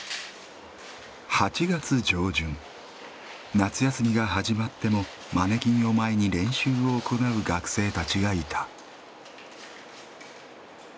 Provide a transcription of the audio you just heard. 夏休みが始まってもマネキンを前に練習を行う学生たちがいた。